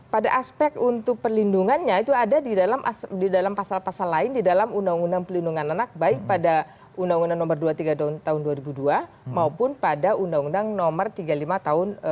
pada aspek untuk perlindungannya itu ada di dalam pasal pasal lain di dalam undang undang perlindungan anak baik pada undang undang nomor dua puluh tiga tahun dua ribu dua maupun pada undang undang nomor tiga puluh lima tahun dua ribu dua